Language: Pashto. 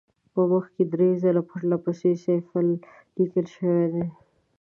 په مخ کې درې ځله پرله پسې صفیل لیکل شوی دی.